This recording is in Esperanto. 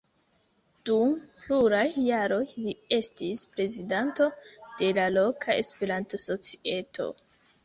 Dum pluraj jaroj li estis prezidanto de la loka Esperanto-societo.